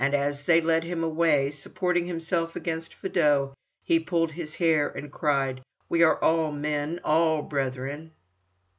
As they led him away, supporting himself against Fedot, he pulled his hair and cried: "We are all men, all brethren!"